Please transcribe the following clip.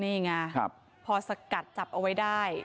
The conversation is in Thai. เนี่ยง่ะครับพอสกัดจับเอาไว้ได้